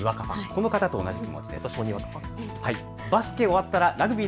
この方と同じ気持ちです。